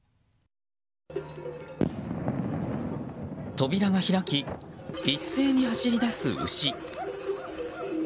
扉が開き、一斉に走り出す牛。